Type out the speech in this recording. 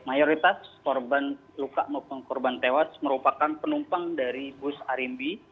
mayoritas korban luka maupun korban tewas merupakan penumpang dari bus arimbi